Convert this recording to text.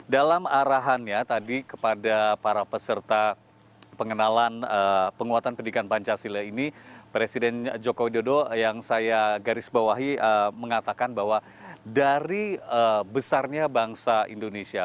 dalam arahannya tadi kepada para peserta pengenalan penguatan pendidikan pancasila ini presiden joko widodo yang saya garis bawahi mengatakan bahwa dari besarnya bangsa indonesia